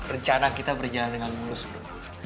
rencana kita berjalan dengan mulus prof